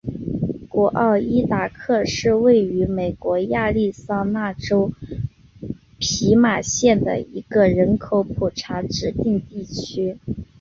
古奥伊达克是位于美国亚利桑那州皮马县的一个人口普查指定地区。